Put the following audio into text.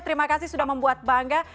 terima kasih sudah membuat bangga